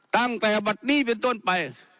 ตั้งแต่บัตรนี้เป็นต้นไป